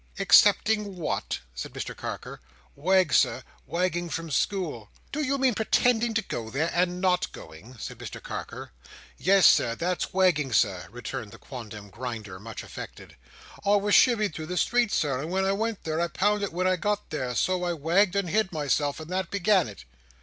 "Excepting what?" said Mr Carker. "Wag, Sir. Wagging from school." "Do you mean pretending to go there, and not going?" said Mr Carker. "Yes, Sir, that's wagging, Sir," returned the quondam Grinder, much affected. "I was chivied through the streets, Sir, when I went there, and pounded when I got there. So I wagged, and hid myself, and that began it."